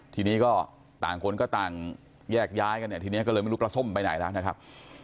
ทีนี้ก็ต่างคนก็ต่างแยกย้ายกันเนี่ยทีนี้ก็เลยไม่รู้ปลาส้มไปไหนแล้วนะครับ